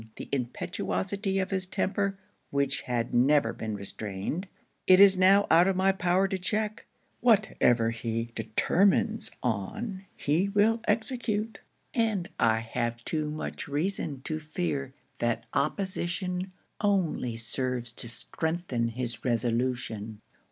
The impetuosity of his temper, which has never been restrained, it is now out of my power to check; whatever he determines on he will execute, and I have too much reason to fear that opposition only serves to strengthen his resolution.